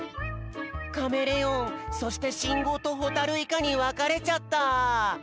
カメレオンそしてしんごうとほたるいかにわかれちゃった。